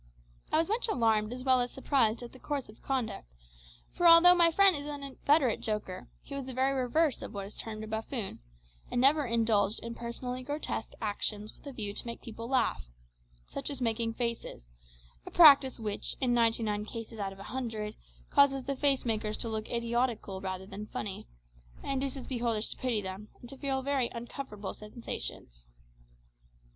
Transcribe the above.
I was much alarmed as well as surprised at this course of conduct; for although my friend was an inveterate joker, he was the very reverse of what is termed a buffoon, and never indulged in personally grotesque actions with a view to make people laugh such as making faces, a practice which, in ninety nine cases out of a hundred, causes the face makers to look idiotical rather than funny, and induces beholders to pity them, and to feel very uncomfortable sensations.